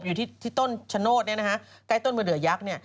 อยู่ที่ต้นชโนธใกล้ต้นมือเดือยักษ์